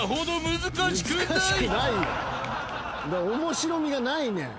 面白みがないねん。